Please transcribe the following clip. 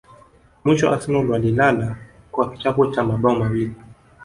Mwisho Arsenal walilala kwa kichapo cha mabao mawili